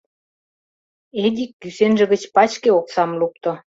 — Эдик кӱсенже гыч пачке оксам лукто.